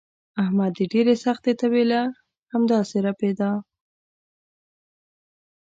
احمد د ډېرې سختې تبې نه همداسې ړپېدا.